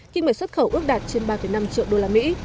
kinh mệnh xuất khẩu ước đạt trên ba năm triệu usd